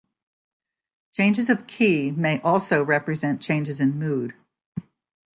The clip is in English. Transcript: Changes of key may also represent changes in mood.